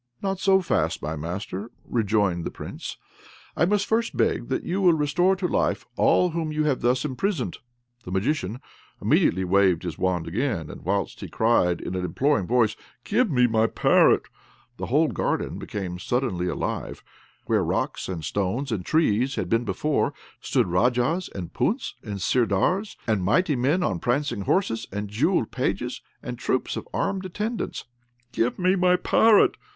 "Not so fast, my master," rejoined the Prince; "I must first beg that you will restore to life all whom you have thus imprisoned." [Illustration: Punchkin's Prisoners are set free.] The Magician immediately waved his wand again; and, whilst he cried, in an imploring voice, "Give me my parrot!" the whole garden became suddenly alive: where rocks, and stones, and trees had been before, stood Rajas, and Punts, and Sirdars, and mighty men on prancing horses, and jewelled pages, and troops of armed attendants. "Give me my parrot!"